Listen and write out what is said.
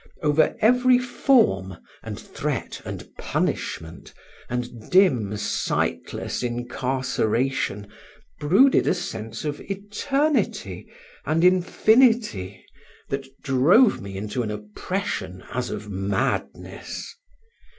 Over every form, and threat, and punishment, and dim sightless incarceration, brooded a sense of eternity and infinity that drove me into an oppression as of madness.